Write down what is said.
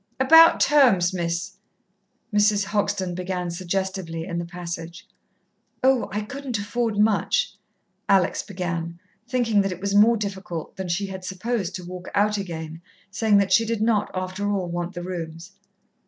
"About terms, Miss," Mrs. Hoxton began suggestively in the passage. "Oh, I couldn't afford much," Alex began, thinking that it was more difficult than she had supposed to walk out again saying that she did not, after all, want the rooms.